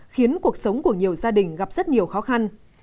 khiến cuộc sống của nhiều gia đình gặp rất nhiều khó khăn